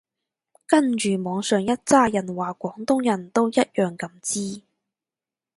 跟住網上一柞人話廣東人都一樣咁支